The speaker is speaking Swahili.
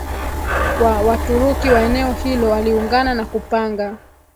wa Waturuki wa eneo hilo waliungana na kupanga